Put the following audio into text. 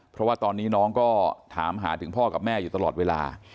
เพราะว่าตอนนี้น้องก็ถามหาถึงพ่อกับแม่อยู่ตลอดเวลา